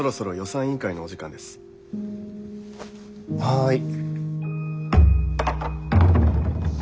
はい。